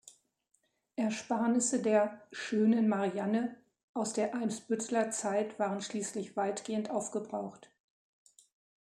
Ersparnisse der „schönen Marianne“ aus der Eimsbütteler Zeit waren schließlich weitgehend aufgebraucht.